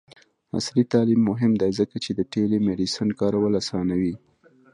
عصري تعلیم مهم دی ځکه چې د ټیلی میډیسین کارول اسانوي.